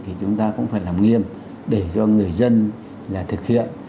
thì chúng ta cũng phải làm nghiêm để cho người dân thực hiện